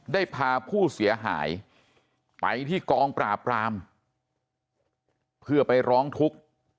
ได้พาผู้เสียหายไปที่กองปราบรามเพื่อไปร้องทุกข์